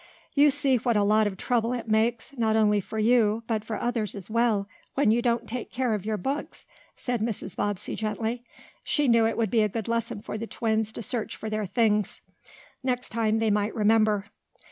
"You see what a lot of trouble it makes, not only for you, but for others as well, when you don't take care of your books," said Mrs. Bobbsey gently. She knew it would be a good lesson for the twins to search for their things. Next time they might remember.